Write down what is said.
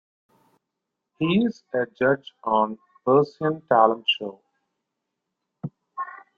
He is a judge on "Persian Talent Show".